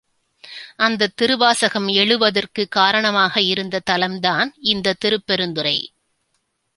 அந்தத் திருவாசகம் எழுவதற்குக் காரணமாக இருந்த தலம் தான் இந்தத் திருப்பெருந்துறை.